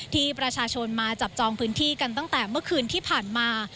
ที่ประชาชนมาจับจองพื้นที่กันตั้งแต่เมื่อคืนที่ผ่านมา